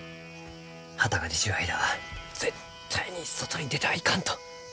旗が出ちゅう間は絶対に外に出てはいかんと。